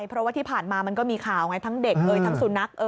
เพราะว่าที่ผ่านมามันก็มีข่าวไงทั้งเด็กทั้งสุนัข